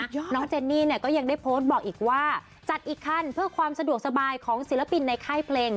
น้องเจนนี่เนี่ยก็ยังได้โพสต์บอกอีกว่าจัดอีกขั้นเพื่อความสะดวกสบายของศิลปินในค่ายเพลง